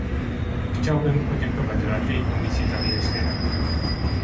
Chciałbym podziękować Radzie i Komisji za wyjaśnienia